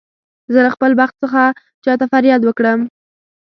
زه له خپل بخت څخه چا ته فریاد وکړم.